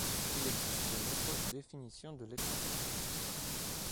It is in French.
Il existe de nombreuses définitions de l’étang.